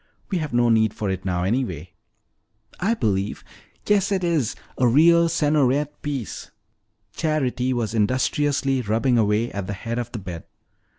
"We have no need for it now, anyway." "I believe yes, it is! A real Sergnoret piece!" Charity was industriously rubbing away at the head of the bed.